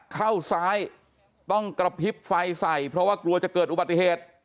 เข้าซ้ายต้องกระพริบไฟใส่เพราะว่ากลัวจะเกิดอุบัติเหตุ